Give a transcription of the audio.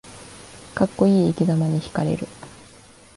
かっこいい生きざまにひかれる